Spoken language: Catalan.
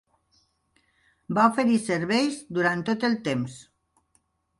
Va oferir serveis durant tot el temps.